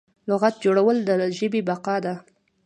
لغت جوړول د ژبې بقا ده.